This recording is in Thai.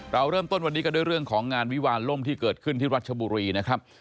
เราเริ่มต้นวันนี้กันด้วยเรื่องของงานวิวาลล่มที่เกิดขึ้นที่รัชบุรีนะครับ